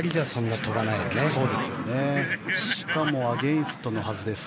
しかもアゲンストのはずです。